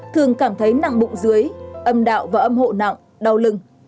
thường cảm thấy năng bụng dưới âm đạo và âm hộ nặng đau lưng